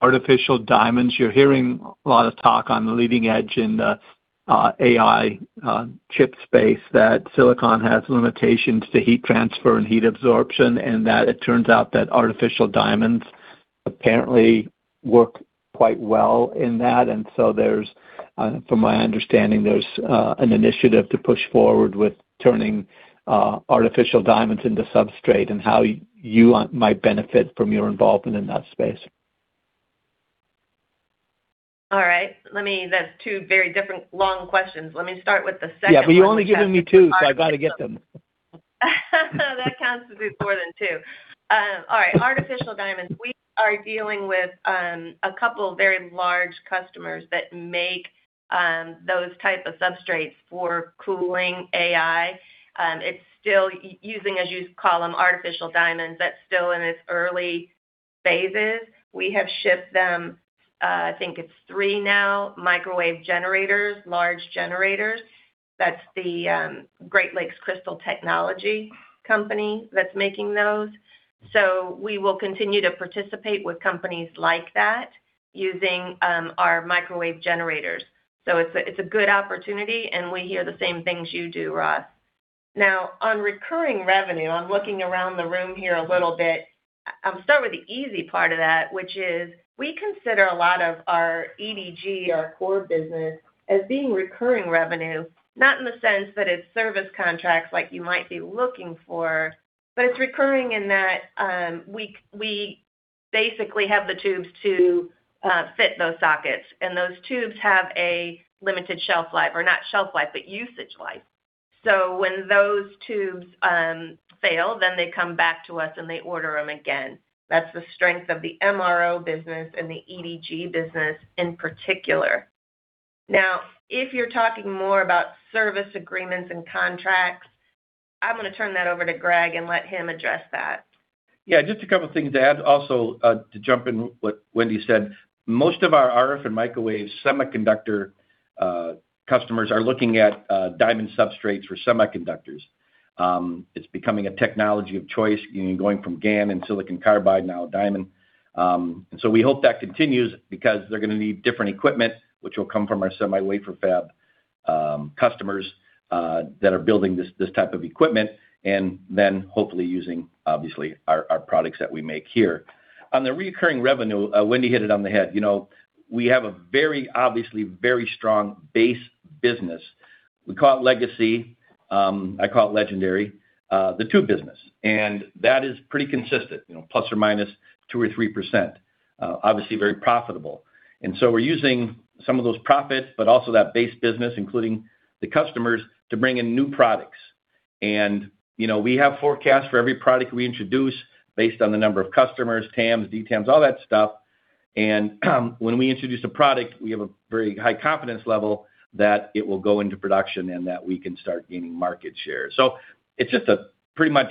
artificial diamonds? You're hearing a lot of talk on the leading edge in the AI chip space that silicon has limitations to heat transfer and heat absorption, and that it turns out that artificial diamonds apparently work quite well in that. From my understanding, there's an initiative to push forward with turning artificial diamonds into substrate and how you might benefit from your involvement in that space. All right. That's two very different long questions. Let me start with the second one, which has to do with. Yeah, but you're only giving me two, so I got to get them. That counts to be more than two. All right. Artificial diamonds. We are dealing with a couple of very large customers that make those type of substrates for cooling AI. It's still using, as you call them, artificial diamonds, that's still in its early phases. We have shipped them, I think it's three now, microwave generators, large generators. That's the Great Lakes Crystal Technologies company that's making those. We will continue to participate with companies like that using our microwave generators. It's a good opportunity, and we hear the same things you do, Ross. Now on recurring revenue, I'm looking around the room here a little bit. I'll start with the easy part of that, which is we consider a lot of our EDG, our core business, as being recurring revenue, not in the sense that it's service contracts like you might be looking for, but it's recurring in that we basically have the tubes to fit those sockets, and those tubes have a limited shelf life, or not shelf life, but usage life. When those tubes fail, then they come back to us, and they order them again. That's the strength of the MRO business and the EDG business in particular. Now, if you're talking more about service agreements and contracts, I'm going to turn that over to Greg and let him address that. Yeah, just a couple of things to add. Also, to jump in what Wendy said, most of our RF and microwave semiconductor customers are looking at diamond substrates for semiconductors. It's becoming a technology of choice, going from GaN and silicon carbide, now diamond. We hope that continues because they're going to need different equipment, which will come from our semi-wafer fab customers that are building this type of equipment, and then hopefully using, obviously, our products that we make here. On the recurring revenue, Wendy hit it on the head. We have a very, obviously, very strong base business. We call it legacy. I call it legendary. The tube business. That is pretty consistent ±2% or 3%, obviously very profitable. We're using some of those profits, but also that base business, including the customers, to bring in new products. We have forecasts for every product we introduce based on the number of customers, TAMs, SAMs, all that stuff. When we introduce a product, we have a very high confidence level that it will go into production and that we can start gaining market share. It's just a pretty much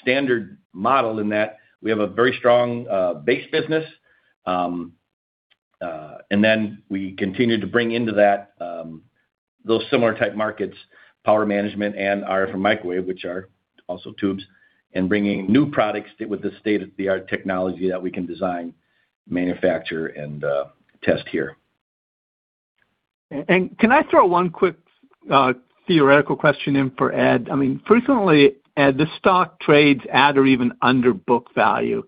standard model in that we have a very strong base business, and then we continue to bring into that those similar type markets, power management and RF and microwave, which are also tubes, and bringing new products with the state-of-the-art technology that we can design, manufacture, and test here. Can I throw one quick theoretical question in for Ed? Frequently, Ed, the stock trades at or even under book value.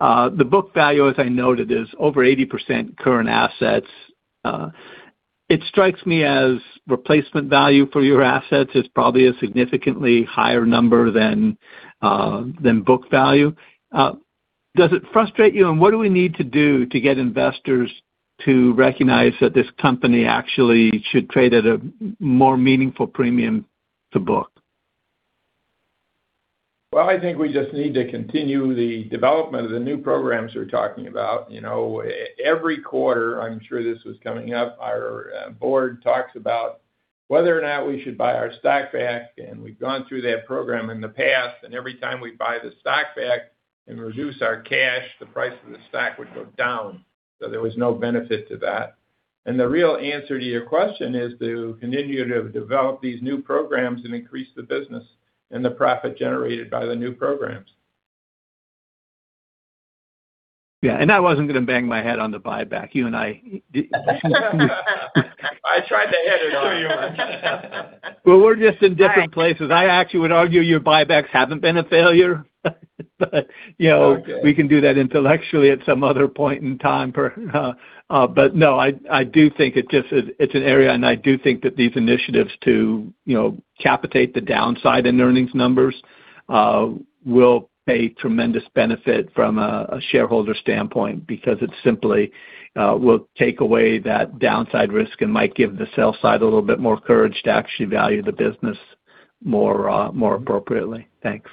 The book value, as I noted, is over 80% current assets. It strikes me as replacement value for your assets is probably a significantly higher number than book value. Does it frustrate you? What do we need to do to get investors to recognize that this company actually should trade at a more meaningful premium to book? Well, I think we just need to continue the development of the new programs we're talking about. Every quarter, I'm sure this was coming up, our board talks about whether or not we should buy our stock back, and we've gone through that program in the past, and every time we buy the stock back and reduce our cash, the price of the stock would go down. There was no benefit to that. The real answer to your question is to continue to develop these new programs and increase the business and the profit generated by the new programs. Yeah. I wasn't going to bang my head on the buyback, you and I. I tried to edit a few. Well, we're just in different places. I actually would argue your buybacks haven't been a failure, but we can do that intellectually at some other point in time. No, I do think it's an area, and I do think that these initiatives to cap the downside in earnings numbers will pay tremendous benefit from a shareholder standpoint because it simply will take away that downside risk and might give the sell side a little bit more courage to actually value the business more appropriately. Thanks.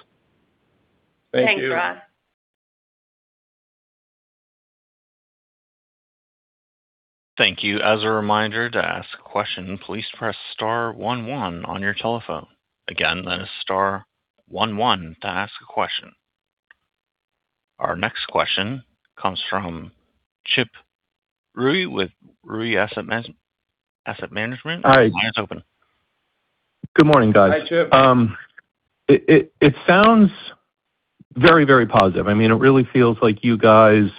Thank you. Thanks, Ross. Thank you. As a reminder, to ask a question, please press star one one on your telephone. Again, that is star one one to ask a question. Our next question comes from Chip Rewey with Rewey Asset Management. Your line is open. Good morning, guys. Hi, Chip. It sounds very positive. It really feels like you guys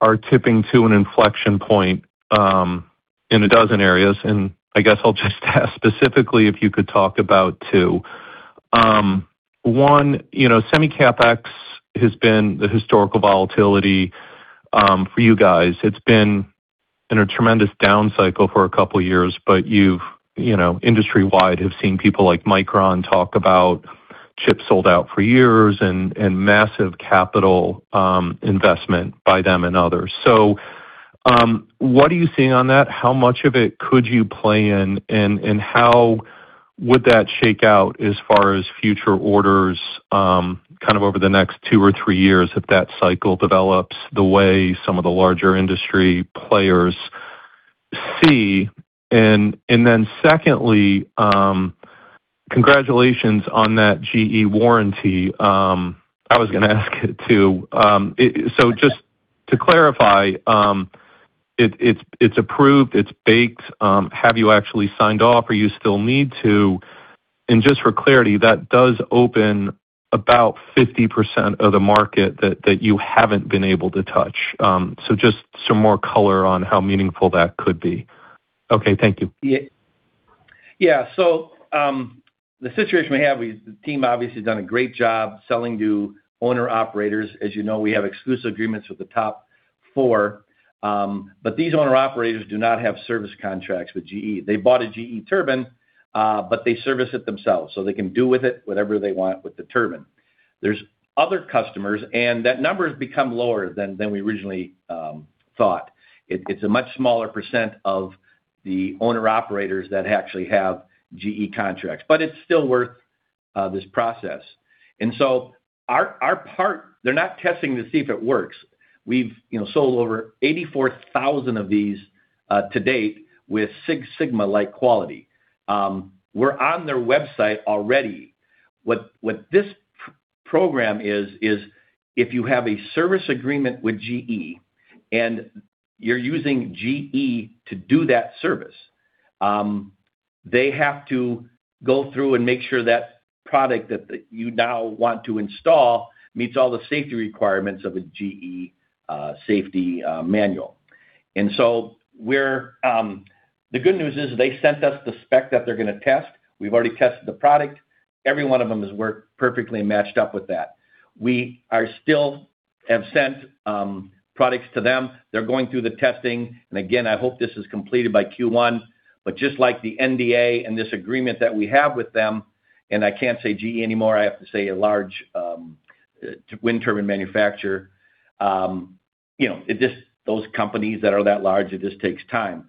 are tipping to an inflection point in a dozen areas, and I guess I'll just ask specifically if you could talk about two. One, semi CapEx has been the historical volatility for you guys. It's been in a tremendous down cycle for a couple of years, but you've, industry-wide, have seen people like Micron talk about chips sold out for years and massive capital investment by them and others. What are you seeing on that? How much of it could you play in, and how would that shake out as far as future orders over the next two or three years if that cycle develops the way some of the larger industry players see? Secondly, congratulations on that GE warranty. I was going to ask it too. Just to clarify, it's approved, it's baked. Have you actually signed off or you still need to? Just for clarity, that does open about 50% of the market that you haven't been able to touch. Just some more color on how meaningful that could be. Okay. Thank you. Yeah. The situation we have is the team obviously has done a great job selling to owner-operators. As you know, we have exclusive agreements with the top four. These owner-operators do not have service contracts with GE. They bought a GE turbine, but they service it themselves so they can do with it whatever they want with the turbine. There's other customers, and that number has become lower than we originally thought. It's a much smaller percent of the owner-operators that actually have GE contracts, but it's still worth this process. Our part, they're not testing to see if it works. We've sold over 84,000 of these to date with Six Sigma-like quality. We're on their website already. What this program is, if you have a service agreement with GE and you're using GE to do that service, they have to go through and make sure that product that you now want to install meets all the safety requirements of a GE safety manual. The good news is they sent us the spec that they're going to test. We've already tested the product. Every one of them has worked perfectly and matched up with that. We still have sent products to them. They're going through the testing, and again, I hope this is completed by Q1. Just like the NDA and this agreement that we have with them, and I can't say GE anymore, I have to say a large wind turbine manufacturer. Those companies that are that large, it just takes time.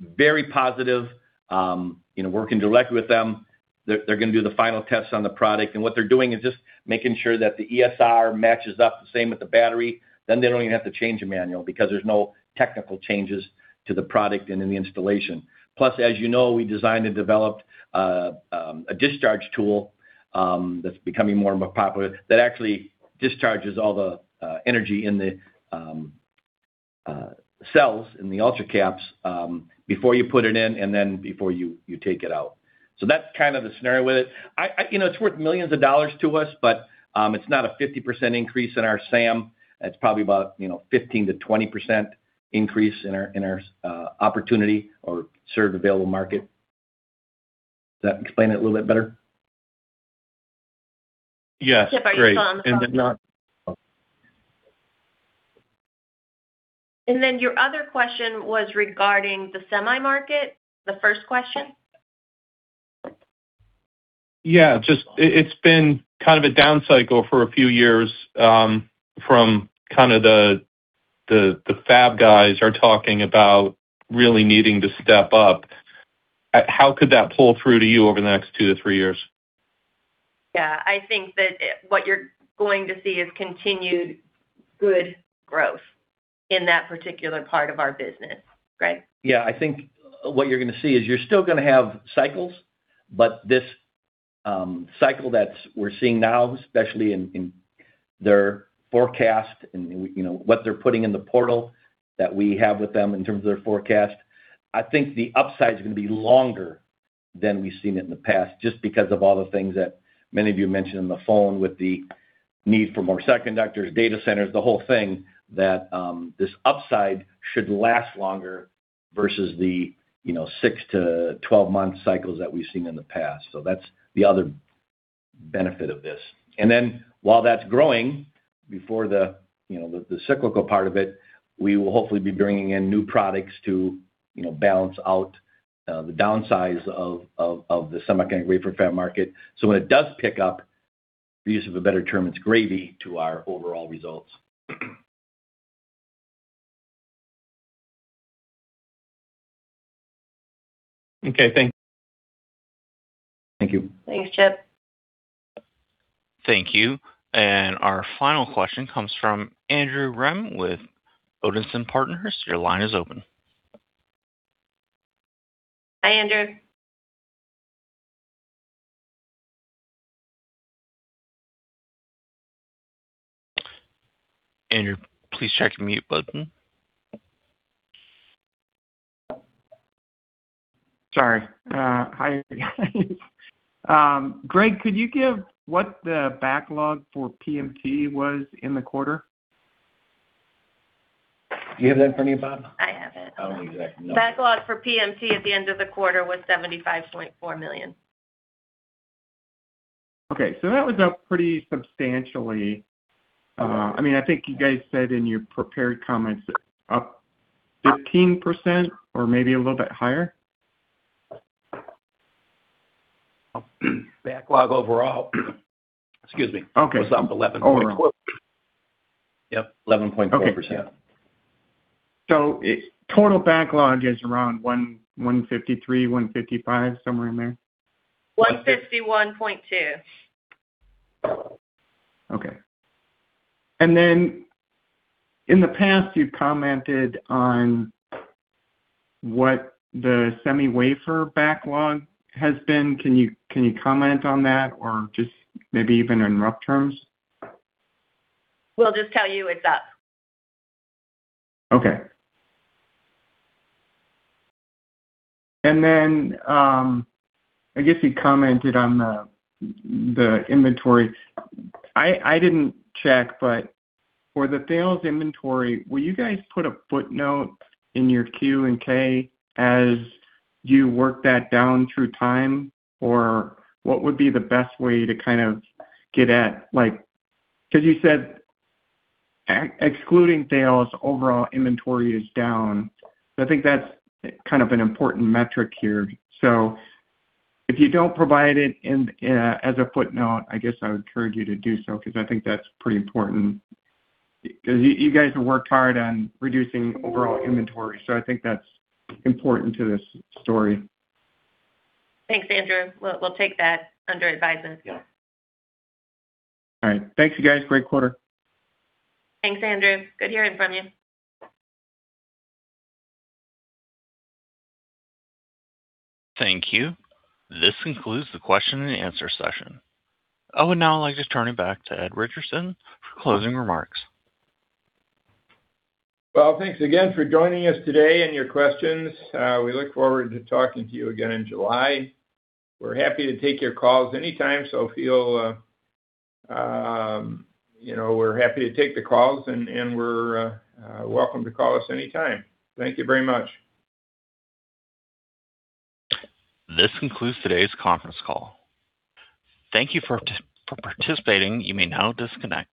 Very positive, working directly with them. They're going to do the final tests on the product, and what they're doing is just making sure that the ESR matches up the same with the battery. Then they don't even have to change a manual because there's no technical changes to the product and in the installation. Plus, as you know, we designed and developed a discharge tool that's becoming more and more popular that actually discharges all the energy in the cells, in the ultracaps, before you put it in and then before you take it out. That's kind of the scenario with it. It's worth millions dollars to us, but it's not a 50% increase in our SAM. It's probably about 15%-20% increase in our opportunity or serviceable addressable market. Does that explain it a little bit better? Yes, great. Chip, are you still on the phone? Your other question was regarding the semi market, the first question? Yeah. It's been kind of a down cycle for a few years from kind of the fab guys are talking about really needing to step up. How could that pull through to you over the next two to three years? Yeah, I think that what you're going to see is continued good growth in that particular part of our business. Greg? Yeah, I think what you're going to see is you're still going to have cycles, but this cycle that we're seeing now, especially in their forecast and what they're putting in the portal that we have with them in terms of their forecast, I think the upside is going to be longer than we've seen it in the past, just because of all the things that many of you mentioned on the phone with the need for more semiconductors, data centers, the whole thing, that this upside should last longer versus the 6-12 month cycles that we've seen in the past. That's the other benefit of this. While that's growing, before the cyclical part of it, we will hopefully be bringing in new products to balance out the downsides of the semiconductor wafer fab market. When it does pick up, for use of a better term, it's gravy to our overall results. Okay. Thank you. Thank you. Thanks, Chip. Thank you. Our final question comes from Andrew Rem with Odinson Partners. Your line is open. Hi, Andrew. Andrew, please check your mute button. Sorry. Hi, guys. Greg, could you give what the backlog for PMT was in the quarter? Do you have that for me, Bob? I have it. I don't exactly know. Backlog for PMT at the end of the quarter was $75.4 million. Okay. That was up pretty substantially. I think you guys said in your prepared comments, up 15% or maybe a little bit higher? Backlog overall. Excuse me. Okay. Was up 11.4%. Yep, 11.4%. Okay. Total backlog is around 153-155, somewhere in there? 151.2. Okay. In the past, you've commented on what the semi wafer backlog has been. Can you comment on that or just maybe even in rough terms? We'll just tell you it's up. Okay. I guess you commented on the inventory. I didn't check, but for the Thales inventory, will you guys put a footnote in your 10-K as you work that down through time? What would be the best way to kind of get at, like, because you said excluding Thales, overall inventory is down. I think that's kind of an important metric here. If you don't provide it in as a footnote, I guess I would encourage you to do so, because I think that's pretty important. Because you guys have worked hard on reducing overall inventory, so I think that's important to this story. Thanks, Andrew. We'll take that under advisement. All right. Thanks, you guys. Great quarter. Thanks, Andrew. Good to hear from you. Thank you. This concludes the question and answer session. I would now like to turn it back to Ed Richardson for closing remarks. Well, thanks again for joining us today and your questions. We look forward to talking to you again in July. We're happy to take your calls anytime, and welcome to call us anytime. Thank you very much. This concludes today's conference call. Thank you for participating. You may now disconnect.